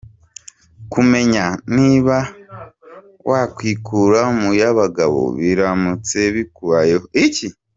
Kumenya niba wakwikura mu y’abagabo biramutse bikubayeho.